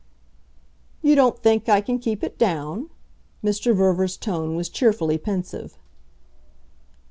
"You don't think I can keep it down?" Mr. Verver's tone was cheerfully pensive.